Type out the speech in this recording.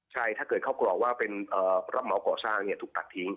ใช่ถ้าเกิดเข้ากรอกว่าเป็นรับเหมาก่อสร้างถูกตัดทิ้ง